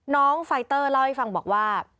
น้องไฟเตอร์เล่าให้ฟังบอกว่า